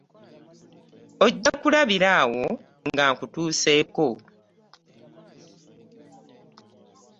Ojja kulabira awo nga nkutuuseeko.